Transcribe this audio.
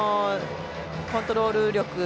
コントロール力